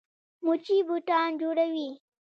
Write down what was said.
موچي بوټان جوړوي.